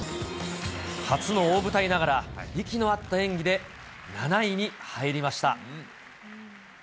初の大舞台ながら、息の合った演技で７位に入りました。